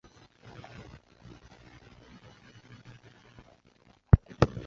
西吉斯蒙德圆柱模仿了罗马圣母大殿前的意大利圆柱。